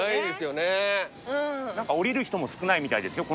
何か降りる人も少ないみたいですよ